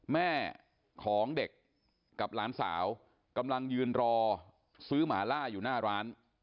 แม่ของเด็กกับหลานสาวกำลังยืนรอซื้อหมาล่าอยู่หน้าร้าน